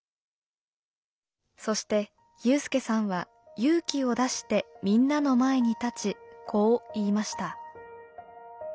そして有さんは勇気を出してみんなの前に立ちこう言いました。